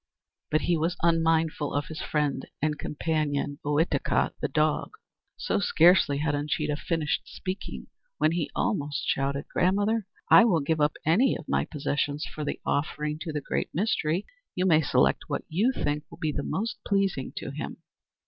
But he was unmindful of his friend and companion, Ohitika, the dog! So, scarcely had Uncheedah finished speaking, when he almost shouted: "Grandmother, I will give up any of my possessions for the offering to the Great Mystery! You may select what you think will be most pleasing to him."